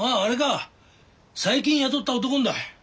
最近雇った男のだ。